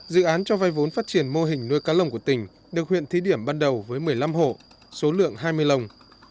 dự án cho vay vốn phát triển mô hình nuôi cá lồng của tỉnh được huyện thí điểm ban đầu với một mươi năm hộ số lượng hai mươi lồng